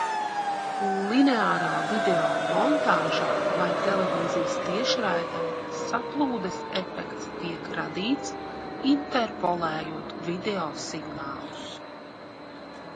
Lineārā video montāžā vai televīzijas tiešraidē saplūdes efekts tiek radīts, interpolējot video signālus.